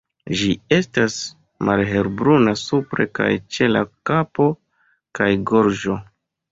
Ĝi estas malhelbruna supre kaj ĉe la kapo kaj gorĝo.